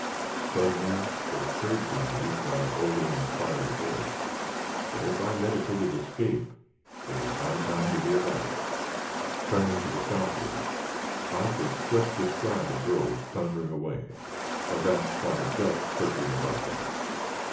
Suddenly, it occurred to me, while holding my fiery horse, that if I meditated escape it was high time to be about it. Turning to the southward, I could just descry the drove thundering away, a vast cloud of dust circling above them.